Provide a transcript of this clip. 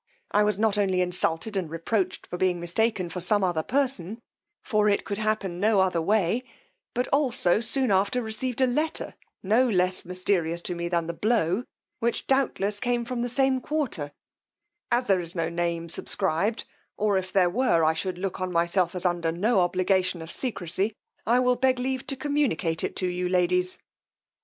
I was not only insulted and reproached for being mistaken for some other person, for it could happen no other way, but also soon after received a letter no less mysterious to me than the blow, which doubtless came from the same quarter: as there is no name subscribed, or if there were, I should look on myself as under no obligation of secrecy, I will beg leave to communicate it to you, ladies.